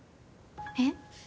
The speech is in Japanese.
えっ？